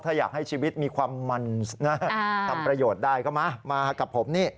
ถ้าอยากให้ชีวิตมีความมันทำประโยชน์ได้ก็มามากับผมนี่